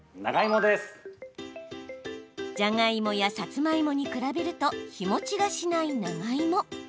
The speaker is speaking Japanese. じゃがいもやさつまいもに比べると日もちがしない長いも。